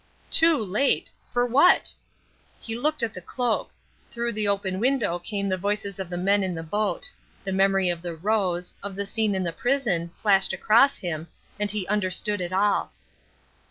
"Too late! For what?" He looked at the cloak through the open window came the voices of the men in the boat the memory of the rose, of the scene in the prison, flashed across him, and he understood it all.